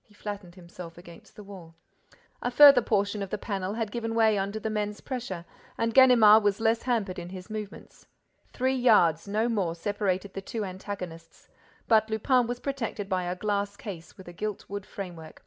He flattened himself against the wall. A further portion of the panel had given way under the men's pressure and Ganimard was less hampered in his movements. Three yards, no more, separated the two antagonists. But Lupin was protected by a glass case with a gilt wood framework.